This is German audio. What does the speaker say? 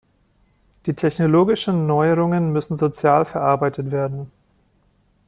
Die technologischen Neuerungen müssen sozial verarbeitet werden.